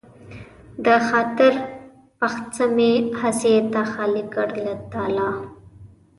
د خاطر بخڅه مې هسې تا خالي کړ له تالا